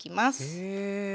へえ。